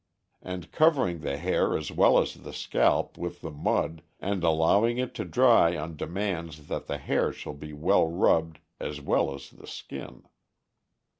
And covering the hair as well as the scalp with the mud and allowing it to dry on demands that the hair shall be well rubbed as well as the skin.